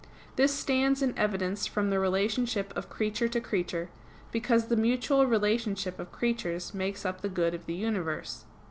This stands in evidence from the relationship of creature to creature; because the mutual relationship of creatures makes up the good of the universe.